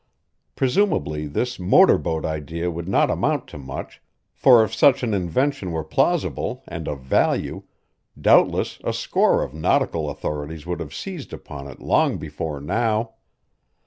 Presumably this motor boat idea would not amount to much, for if such an invention were plausible and of value, doubtless a score of nautical authorities would have seized upon it long before now.